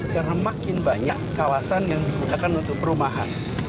karena makin banyak kawasan yang dibutakan untuk perumahan